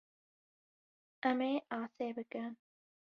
Em ê asê bikin.